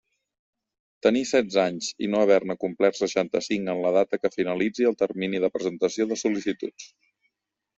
Tenir setze anys i no haver-ne complert seixanta-cinc en la data que finalitzi el termini de presentació de sol·licituds.